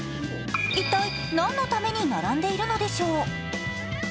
一体、何のために並んでいるのでしょう。